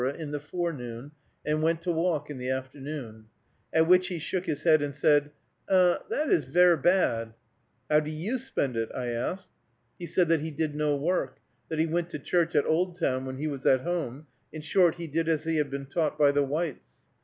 in the forenoon, and went to walk in the afternoon. At which he shook his head and said, "Er, that is ver bad." "How do you spend it?" I asked. He said that he did no work, that he went to church at Oldtown when he was at home; in short, he did as he had been taught by the whites.